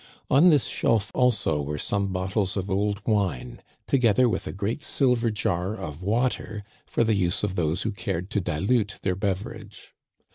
On this shelf also were some bottles of old wine, together with a Digitized by VjOOQIC y A SUPPER. jy great silver jar of water, for the use of those who cared to dilute their beverage.